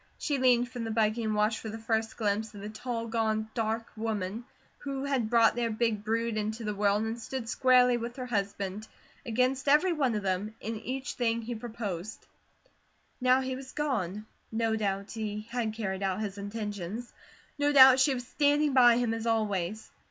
She leaned from the buggy and watched for the first glimpse of the tall, gaunt, dark woman, who had brought their big brood into the world and stood squarely with her husband, against every one of them, in each thing he proposed. Now he was gone. No doubt he had carried out his intentions. No doubt she was standing by him as always.